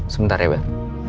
sebentar ya bang